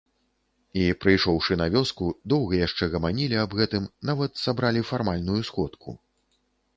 І, прыйшоўшы на вёску, доўга яшчэ гаманілі аб гэтым, нават сабралі фармальную сходку.